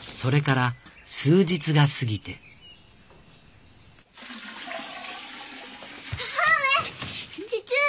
それから数日が過ぎて母上！